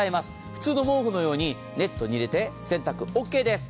普通の毛布のようにネットに入れて洗濯オッケーです。